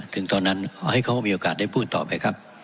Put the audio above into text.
ถึงตอนนั้นขอให้เขามีโอกาสได้พูดต่อไปครับ